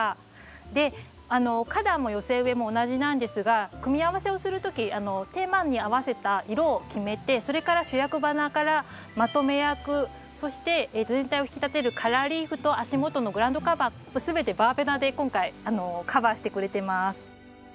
で花壇も寄せ植えも同じなんですが組み合わせをする時テーマに合わせた色を決めてそれから主役花からまとめ役そして全体を引き立てるカラーリーフと足元のグラウンドカバー全てバーベナで今回カバーしてくれてます。